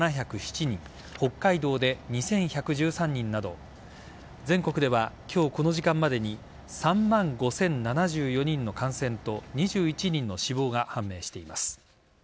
北海道で２１１３人など全国では、今日この時間までに３万５０７４人の感染と２１人の死亡が判明しています。